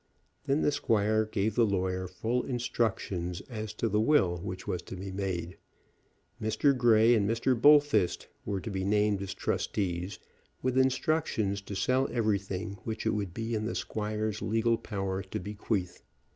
Then the squire gave the lawyer full instructions as to the will which was to be made. Mr. Grey and Mr. Bullfist were to be named as trustees, with instructions to sell everything which it would be in the squire's legal power to bequeath.